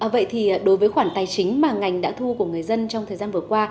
vậy thì đối với khoản tài chính mà ngành đã thu của người dân trong thời gian vừa qua